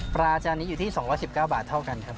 อาจารย์นี้อยู่ที่๒๑๙บาทเท่ากันครับ